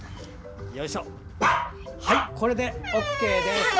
これでＯＫです！